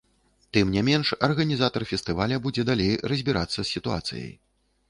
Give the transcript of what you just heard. Тым не менш, арганізатар фестываля будзе далей разбірацца з сітуацыяй.